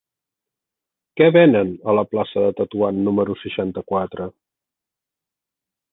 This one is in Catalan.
Què venen a la plaça de Tetuan número seixanta-quatre?